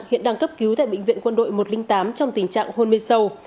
hiện đang cấp cứu tại bệnh viện quân đội một trăm linh tám trong tình trạng hôn mê sâu